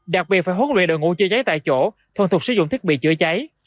đặc biệt phải huấn luyện đội ngũ chữa cháy tại chỗ thuần thuộc sử dụng thiết bị chữa cháy